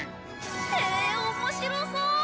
へえ面白そう！